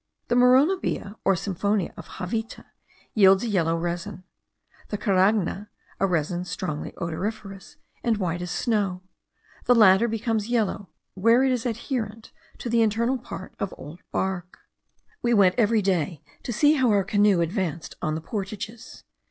The moronobaea or symphonia of Javita yields a yellow resin; the caragna, a resin strongly odoriferous, and white as snow; the latter becomes yellow where it is adherent to the internal part of old bark. We went every day to see how our canoe advanced on the portages.